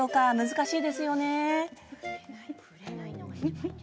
難しいですよね？